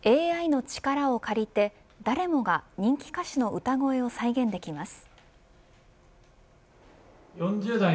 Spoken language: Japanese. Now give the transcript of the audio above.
ＡＩの力を借りて誰もが人気歌手の歌声を再現できます。